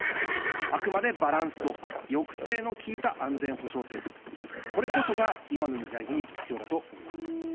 あくまでバランスと抑制の効いた安全保障政策、これこそが今の時代に必要だと思います。